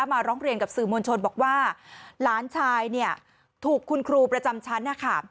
ร้องเรียนกับสื่อมวลชนบอกว่าหลานชายเนี่ยถูกคุณครูประจำชั้นนะคะ